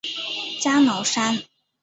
加瑙山。